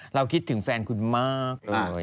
คิดถึงแฟนคุณมากเลย